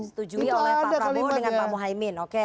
setujui oleh pak prabowo dengan pak muhaymin oke